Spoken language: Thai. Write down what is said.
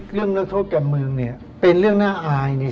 เรื่องนักโทษการเมืองเนี่ยเป็นเรื่องน่าอายเนี่ย